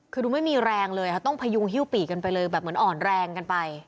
คือดูไม่มีแรงเลยค่ะต้องพยุงฮิ้วปีกกันไปเลยแบบเหมือนอ่อนแรงกันไป